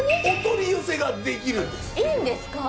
お取り寄せができるんです。